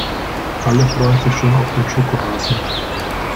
Alle freuen sich schon auf den Schokohasen.